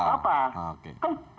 diperuntukkan untuk apa